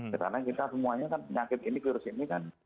karena kita semuanya kan penyakit ini terus ini kan